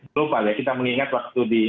global ya kita mengingat waktu di